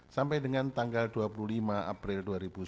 sampai dengan tanggal dua puluh lima april dua ribu sembilan belas